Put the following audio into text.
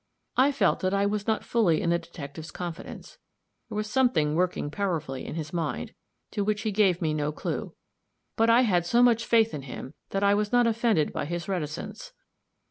I felt that I was not fully in the detective's confidence; there was something working powerfully in his mind, to which he gave me no clue; but I had so much faith in him that I was not offended by his reticence.